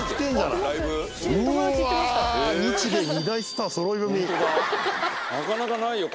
なかなかないよ